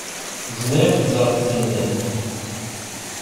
Tezmer ad k-tẓer tselmadt.